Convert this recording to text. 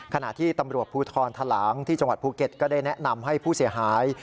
ขณะที่ตำรวจภูทรทะหลางที่จังหวัดภูเก็ตก็ได้แนะนำให้ผู้เสียหาย